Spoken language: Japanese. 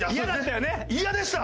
嫌でした！